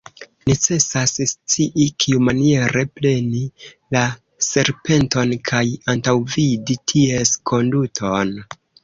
Necesas scii kiumaniere preni la serpenton kaj antaŭvidi ties konduton.